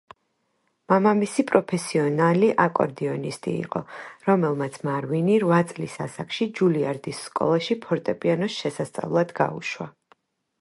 მამამისი პროფესიონალი აკორდეონისტი იყო, რომლემაც მარვინი, რვა წლის ასაკში, ჯულიარდის სკოლაში ფორტეპიანოს შესასწავლად გაუშვა.